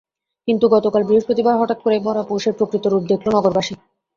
কিন্তু গতকাল বৃহস্পতিবার হঠাৎ করেই ভরা পৌষের প্রকৃত রূপ দেখল নগরবাসী।